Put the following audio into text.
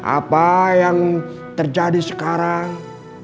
apa yang terjadi sekarang